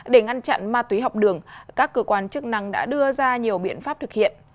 để ngăn chặn ma túy học đường các cơ quan chức năng đã đưa ra nhiều biện pháp thực hiện